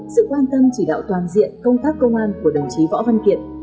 sự quan tâm chỉ đạo toàn diện công tác công an của đồng chí võ văn kiệt